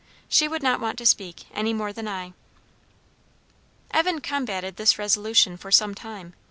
She would not want to speak, any more than I." Evan combated this resolution for some time.